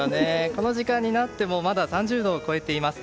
この時間になってもまだ３０度を超えています。